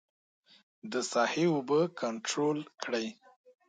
د ساحې اوبه کنترول کړي.